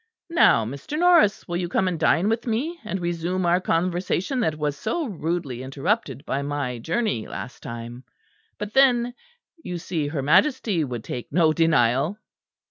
Now, Mr. Norris, will you come and dine with me, and resume our conversation that was so rudely interrupted by my journey last time? But then you see her Majesty would take no denial."